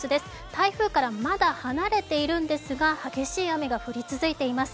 台風からまだ離れているんですが激しい雨が降り続いています。